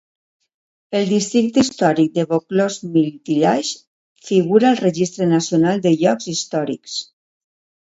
El districte històric de Vaucluse Mill Village figura al Registre Nacional de Llocs Històrics.